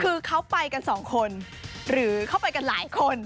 คือเขาไปกันสองคนหรือเข้าไปกันหลายคน